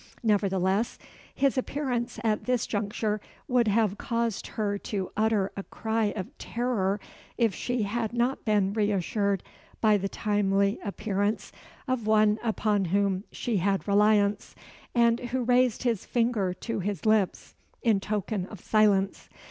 Nevertheless, his appearance at this juncture would have caused her to utter a cry of terror, if she had not been reassured by the timely appearance of one upon whom she had reliance, and who raised his finger to his lips in token of silence.